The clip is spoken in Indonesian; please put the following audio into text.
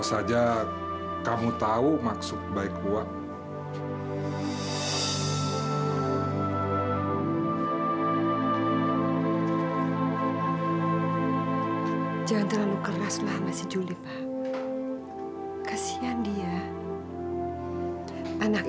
uaknya pasti uangnya banyak